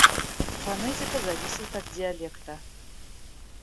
Фонетика зависит от диалекта.